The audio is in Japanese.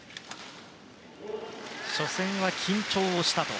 初戦は、緊張したと。